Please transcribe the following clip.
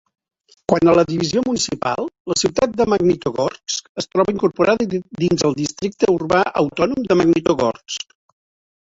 Quant a la divisió municipal, la ciutat de Magnitogorsk es troba incorporada dins el districte urbà autònom de Magnitogorsk.